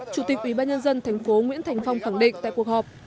chủ tịch ủy ban nhân dân tp hcm nguyễn thành phong khẳng định tại cuộc họp